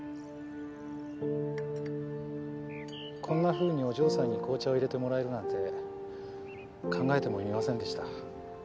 こんなふうにお嬢さんに紅茶を入れてもらえるなんて考えてもみませんでした。